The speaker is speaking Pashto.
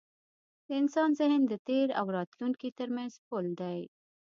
د انسان ذهن د تېر او راتلونکي تر منځ پُل دی.